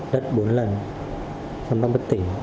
đất bốn lần xong bác bật tỉnh